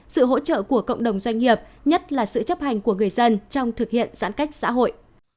sự hỗ trợ của cộng đồng doanh nghiệp nhất là sự chấp hành của người dân trong thực hiện giãn cách xã hội